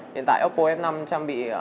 hiện tại oppo f năm trang bị